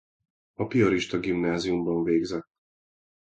A piarista gimnáziumban végzett.